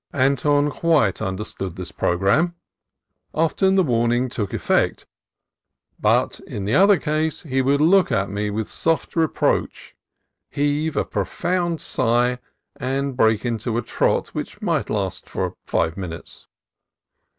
Anton quite understood this programme. Often the warning took effect, but in the other case he would look at me with soft re proach, heave a profound sigh, and break into a trot which might last for five minutes.